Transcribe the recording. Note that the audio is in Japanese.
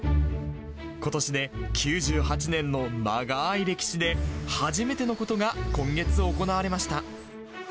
ことしで９８年の長い歴史で、初めてのことが今月行われました。